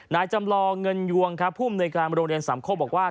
จำลองเงินยวงครับผู้อำนวยการโรงเรียนสามโคกบอกว่า